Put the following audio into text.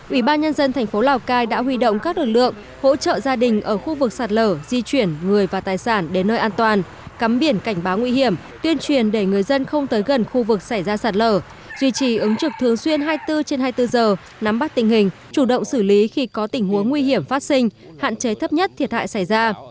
ủy ban nhân dân thành phố lào cai đã huy động các lực lượng hỗ trợ gia đình ở khu vực sạt lở di chuyển người và tài sản đến nơi an toàn cắm biển cảnh báo nguy hiểm tuyên truyền để người dân không tới gần khu vực xảy ra sạt lở duy trì ứng trực thường xuyên hai mươi bốn trên hai mươi bốn giờ nắm bắt tình hình chủ động xử lý khi có tình huống nguy hiểm phát sinh hạn chế thấp nhất thiệt hại xảy ra